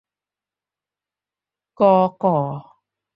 ฐอ ถอ